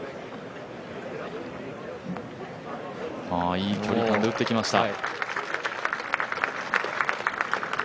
いい距離感で打ってきました。